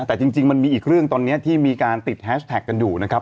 แต่จริงมันมีอีกเรื่องตอนนี้ที่มีการติดแฮชแท็กกันอยู่นะครับ